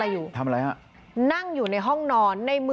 พี่หุยรู้มั้ยเขาทำอะไรอยู่ในห้องนอนในมือถือปื